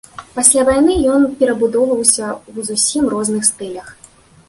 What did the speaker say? Пасля вайны ён перабудоўваўся ў зусім розных стылях.